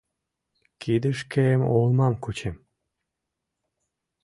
Кидышкем олмам кучем.